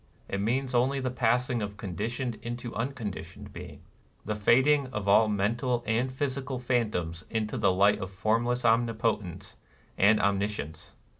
It means only the passing of conditioned being into unconditioned being, — the fading of all mental and physical phantoms into the light of Formless Omnipotence and Omni science.